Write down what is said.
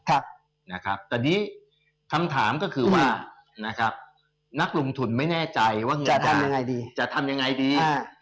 แต่นี้คำถามก็คือว่านะครับนักลงทุนไม่แน่ใจว่าเงินจะทำยังไงดี